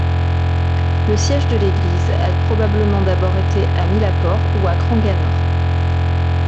Le siège de l'Église a probablement d'abord été à Mylapore ou à Cranganore.